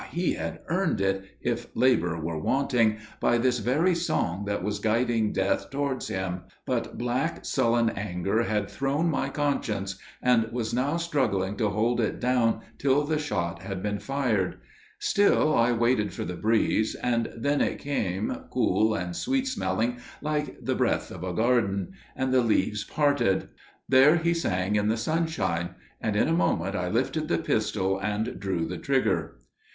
he had earned it, if labour were wanting, by this very song that was guiding death towards him, but black sullen anger had thrown my conscience, and was now struggling to hold it down till the shot had been fired. Still I waited for the breeze, and then it came, cool and sweet smelling like the breath of a garden, and the leaves parted. There he sang in the sunshine, and in a moment I lifted the pistol and drew the trigger.